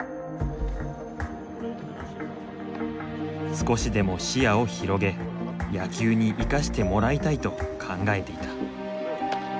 少しでも視野を広げ野球に生かしてもらいたいと考えていた。